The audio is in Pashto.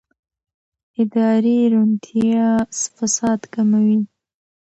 اداري روڼتیا فساد کموي